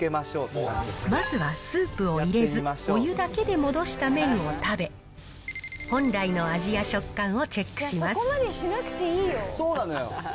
まずはスープを入れずお湯だけで戻した麺を食べ、本来の味や食感をチェックします。